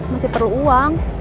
masih perlu uang